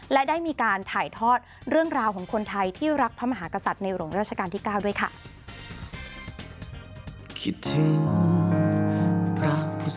และได้มีการถ่ายทอดเรื่องราวของคนไทยที่รักพระมหากษัตริย์ในหลวงราชการที่๙ด้วยค่ะ